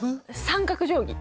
三角定規！